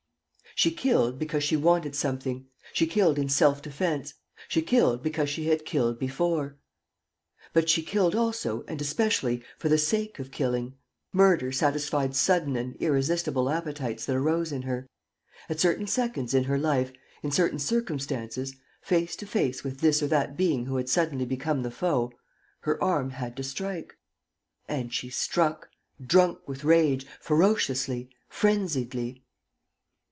She killed because she wanted something, she killed in self defence, she killed because she had killed before. But she killed also and especially for the sake of killing. Murder satisfied sudden and irresistible appetites that arose in her. At certain seconds in her life, in certain circumstances, face to face with this or that being who had suddenly become the foe, her arm had to strike. And she struck, drunk with rage, ferociously, frenziedly.